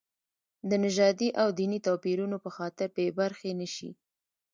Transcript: د نژادي او دیني توپیرونو په خاطر بې برخې نه شي.